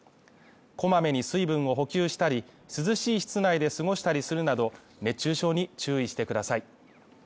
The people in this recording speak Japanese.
こまめに水分を補給したり、涼しい室内で過ごしたりするなど、熱中症に注意してください。